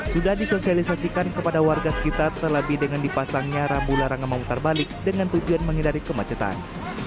sudah disosialisasikan kepada warga sekitar terlebih dengan dipasangnya rambu larangan memutar balik dengan tujuan menghindari kemacetan